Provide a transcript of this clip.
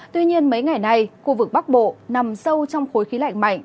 tuy nhiên mấy ngày nay khu vực bắc bộ nằm sâu trong khối khí lạnh mạnh